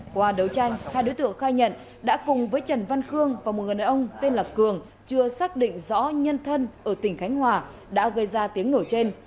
qua đấu tranh hai đối tượng khai nhận đã cùng với trần văn khương và một người đàn ông tên là cường chưa xác định rõ nhân thân ở tỉnh khánh hòa đã gây ra tiếng nổ trên